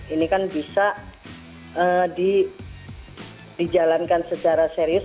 ini kan bisa dijalankan secara serius